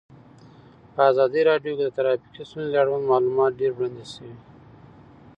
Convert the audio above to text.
په ازادي راډیو کې د ټرافیکي ستونزې اړوند معلومات ډېر وړاندې شوي.